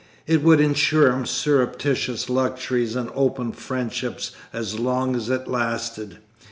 It would ensure him surreptitious luxuries and open friendships as long as it lasted.